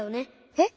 えっ！